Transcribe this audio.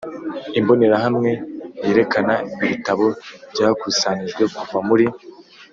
Imbonerahamwe yerekana ibitabo byakusanijwe kuva muri